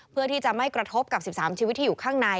เพื่อที่จะไม่กระทบกับ๑๓ชีวิตที่อยู่ข้างใน